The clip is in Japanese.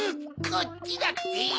こっちだって。